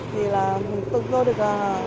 thì là mình tự do được